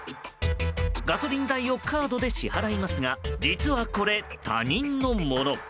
ガソリン代をカードで支払いますが実はこれ、他人のもの。